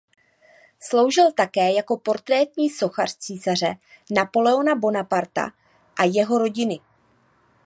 Sloužil také jako portrétní sochař císaře Napoleona Bonaparta a jeho rodiny.